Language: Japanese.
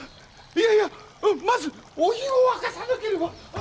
いやいやまずお湯を沸かさなければ！